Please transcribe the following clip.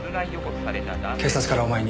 警察からお前に。